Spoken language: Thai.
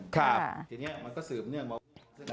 ค่ะ